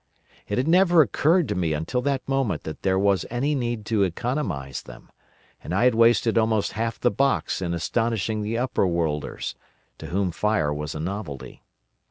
It had never occurred to me until that moment that there was any need to economise them, and I had wasted almost half the box in astonishing the Overworlders, to whom fire was a novelty.